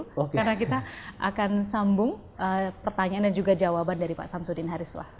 karena kita akan sambung pertanyaan dan juga jawaban dari pak samsudin harisullah